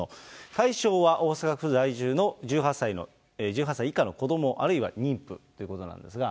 対象は大阪府在住の１８歳以下の子ども、あるいは妊婦ということなんですが。